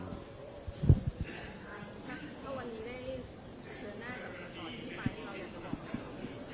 ถ้าวันนี้ได้เชิญหน้าจากสอบสอบที่ไป